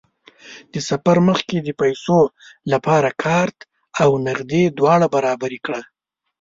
د سفر مخکې د پیسو لپاره کارت او نغدې دواړه برابرې کړه.